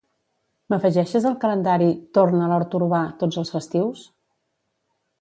M'afegeixes al calendari "torn a l'hort urbà" tots els festius?